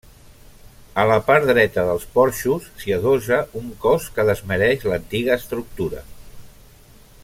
A la part dreta dels porxos s'hi adossa un cos que desmereix l'antiga estructura.